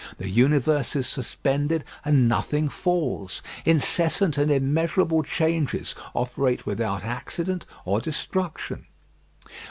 The universe is suspended and nothing falls. Incessant and immeasurable changes operate without accident or destruction.